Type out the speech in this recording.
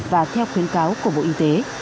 và theo khuyến cáo của bộ y tế